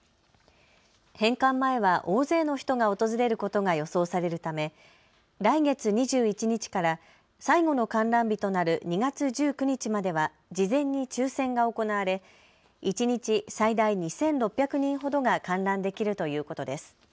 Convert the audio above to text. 返還前は大勢の人が訪れることが予想されるため来月２１日から最後の観覧日となる２月１９日までは事前に抽せんが行われ、一日最大２６００人ほどが観覧できるということです。